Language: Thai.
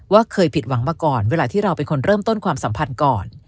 เคยผิดหวังมาก่อนเวลาที่เราเป็นคนเริ่มต้นความสัมพันธ์ก่อน